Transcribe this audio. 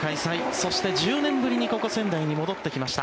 そして、１０年ぶりにここ仙台に戻ってきました。